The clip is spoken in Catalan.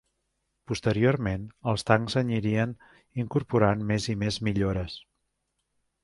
Posteriorment els tancs anirien incorporant més i més millores.